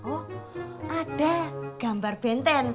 oh ada gambar benten